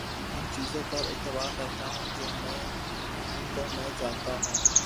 ان چیزوں پر اعتبار کرتا ہوں جن کو میں جانتا ہوں